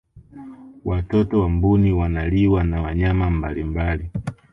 watoto wa mbuni wanaliwa na wanyama mbalimbali